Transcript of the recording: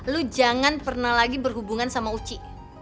lu jangan pernah lagi berhubungan sama uci